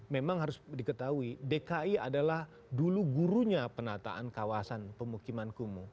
memang harus diketahui dki adalah dulu gurunya penataan kawasan pemukiman kumuh